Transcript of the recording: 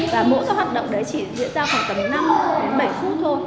và mỗi cái hoạt động đấy chỉ diễn ra khoảng tầm năm đến bảy phút thôi